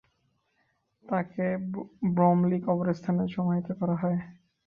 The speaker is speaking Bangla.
তাকে ব্রমলি কবরস্থানে সমাহিত করা হয়।